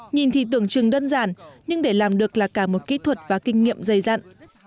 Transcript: nhìn thì tưởng chừng đơn giản nhưng để làm được là cả một kỹ thuật và kinh nghiệm dày dặn